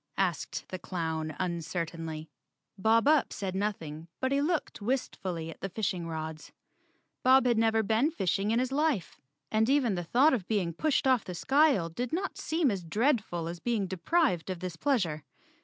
asked the clown uncertainly. Bob Up said nothing, but he looked wist¬ fully at the fishing rods. Bob had never been fishing 142 J Chapter Ten in his life, and even the thought of being pushed off the skyle did not seem as dreadful as being deprived of this pleasure.